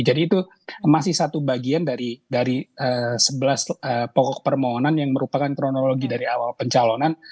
jadi itu masih satu bagian dari sebelas pokok permohonan yang merupakan kronologi dari awal pencalonan